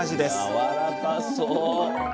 やわらかそう！